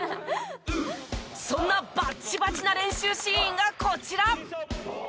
そんなバッチバチな練習シーンがこちら。